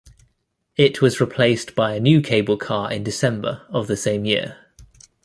It was replaced by a new cable car in December of the same year.